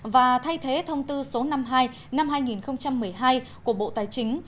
và thay thế thông tư số năm mươi hai năm hai nghìn một mươi hai của bộ tài chính